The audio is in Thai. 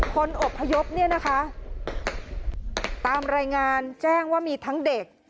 อบพยพเนี่ยนะคะตามรายงานแจ้งว่ามีทั้งเด็ก